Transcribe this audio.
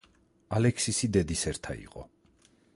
ალექსისი დედისერთა იყო.